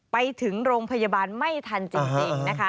ไปถึงโรงพยาบาลไม่ทันจริงนะคะ